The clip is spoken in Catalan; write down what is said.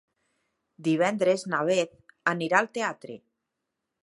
Divendres na Beth anirà al teatre.